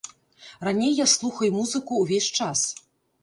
Раней я слухай музыку ўвесь час.